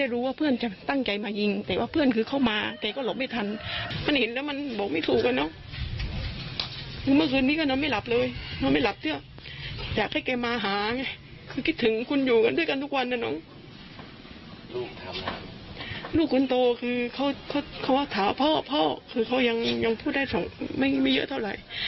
ลูกคนโตคือเขาพ่อคือเขายังพูดได้ไม่เยอะเท่าไหร่